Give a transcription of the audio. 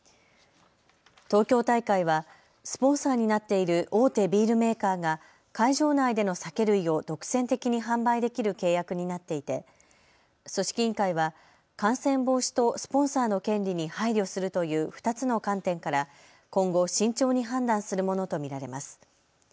東京大会はスポンサーになっている大手ビールメーカーが会場内での酒類を独占的に販売できる契約になっていて組織委員会は感染防止とスポンサーの権利に配慮するという２つの観点から今後、慎重に判断するものと見られます。